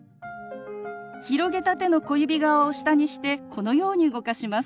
広げた手の小指側を下にしてこのように動かします。